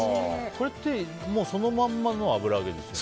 これって、そのままの油揚げですよね？